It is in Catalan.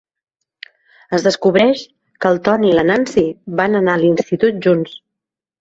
Es descobreix que el Tony i la Nancy van anar a l'institut junts.